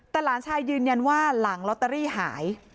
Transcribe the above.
แต่หลานชายยืนยันว่าหลังลอตเตอรี่หาย